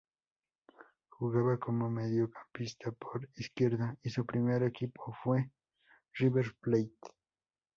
Jugaba como mediocampista por izquierda y su primer equipo fue River Plate.